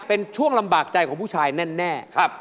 เป็นช่วงลำบากใจของผู้ชายแน่